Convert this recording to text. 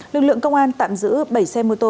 lực lượng công an tạm giữ bảy xe mô tô